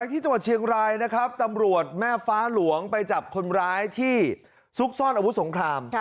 ที่จังหวัดเชียงรายนะครับตำรวจแม่ฟ้าหลวงไปจับคนร้ายที่ซุกซ่อนอาวุธสงคราม